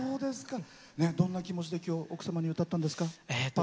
どんな気持ちで今日奥様に歌ったんですか？